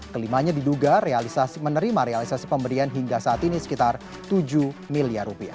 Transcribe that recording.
kelimanya diduga menerima realisasi pemberian hingga saat ini sekitar rp tujuh miliar